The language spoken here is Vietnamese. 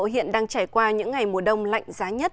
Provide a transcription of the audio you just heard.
hiện đang trải qua những ngày mùa đông lạnh giá nhất